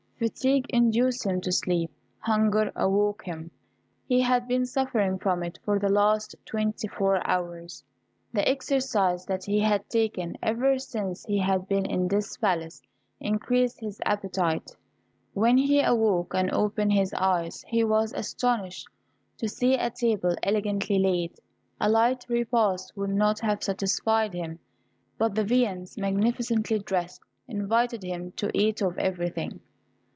Fatigue induced him to sleep; hunger awoke him; he had been suffering from it for the last twenty four hours. The exercise that he had taken ever since he had been in this palace increased his appetite. When he awoke and opened his eyes, he was astonished to see a table elegantly laid. A light repast would not have satisfied him; but the viands, magnificently dressed, invited him to eat of everything.